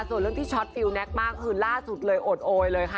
ส่วนเรื่องที่ช็อตฟิลแก๊กมากคือล่าสุดเลยโอดโอยเลยค่ะ